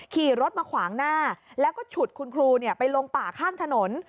ขี่รถมาขวางหน้าแล้วก็ฉุดคุณครูไปลงป่าข้างถนน